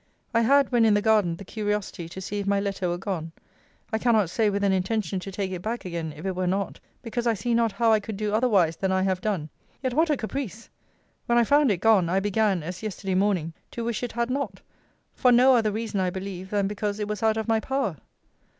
I had, when in the garden, the curiosity to see if my letter were gone: I cannot say with an intention to take it back again if it were not, because I see not how I could do otherwise than I have done; yet, what a caprice! when I found it gone, I began (as yesterday morning) to wish it had not: for no other reason, I believe, than because it was out of my power.